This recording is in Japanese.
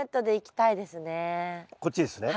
こっちですね？